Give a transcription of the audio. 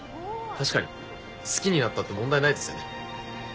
好きになったって問題ないですよね。